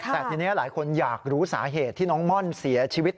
แต่ทีนี้หลายคนอยากรู้สาเหตุที่น้องม่อนเสียชีวิต